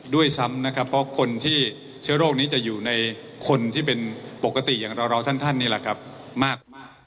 ด้วยซ้ำนะครับเพราะคนที่เชื้อโรคนี้จะอยู่ในคนที่เป็นปกติอย่างเราท่านนี่แหละครับมาก